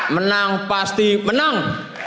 menang pasti menang